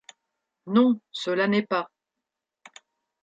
Non, cela n’est pas…